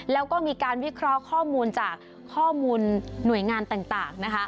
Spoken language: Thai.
แล้วก็มีการวิเคราะห์ข้อมูลจากข้อมูลหน่วยงานต่างนะคะ